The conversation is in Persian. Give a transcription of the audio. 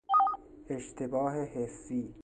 اشتباه حسی